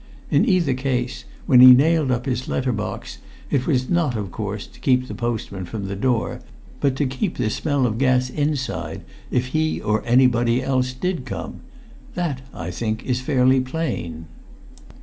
In either case, when he nailed up his letter box, it was not, of course, to keep the postman from the door, but to keep the smell of gas inside if he or anybody else did come. That, I think, is fairly plain."